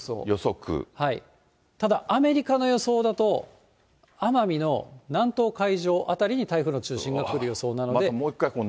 ただアメリカの予想だと、奄美の南東海上辺りに台風の中心が来る予想なので。